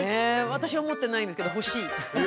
私は持ってないんですけど欲しい！